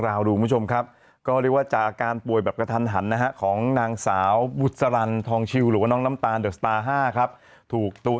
อาจารย์อาจารย์ต้องใส่อะไรบนหัว